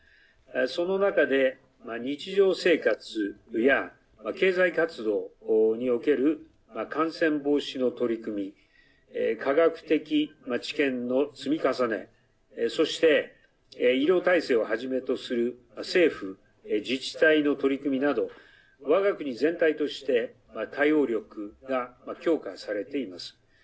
その中で日常生活や経済活動における感染防止の取り組み科学的知見の積み重ねそして医療体制をはじめとする政府自治体の取り組みなどわが国全体として対応力が強化されています。